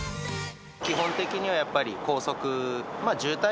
基本的にはやっぱり高速。